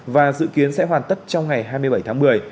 và dự kiến sẽ hoàn tất trong ngày hai mươi bảy tháng một mươi